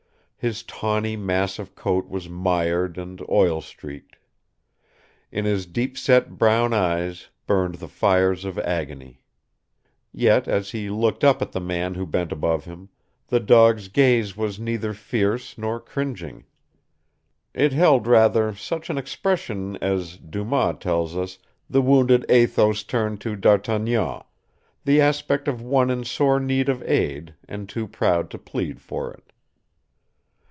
His tawny mass of coat was mired and oil streaked. In his deep set brown eyes burned the fires of agony. Yet, as he looked up at the man who bent above him, the dog's gaze was neither fierce nor cringing. It held rather such an expression as, Dumas tells us, the wounded Athos turned to D'Artagnan the aspect of one in sore need of aid, and too proud to plead for it.